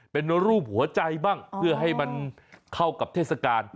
เป็นรูปหัวใจบ้างเพื่อให้มันเข้ากับเทศกาล